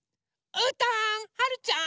うーたんはるちゃん！